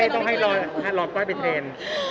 ต้องรอก้อยไปเทรน